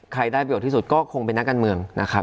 ได้ประโยชน์ที่สุดก็คงเป็นนักการเมืองนะครับ